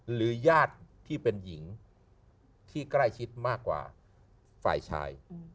หรือญาติที่เป็นหญิงที่ใกล้ชิดมากกว่าฝ่ายชาย